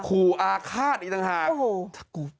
ขู่อาฆาตอีกต่างหาก